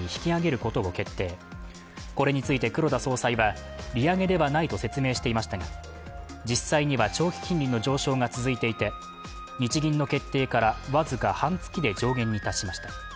これについて黒田総裁は、利上げではないと説明していましたが、実際には長期金利の上昇が続いていて日銀の決定から僅か半月で上限に達しました。